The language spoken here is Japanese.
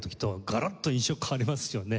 がらっと印象変わりますよね。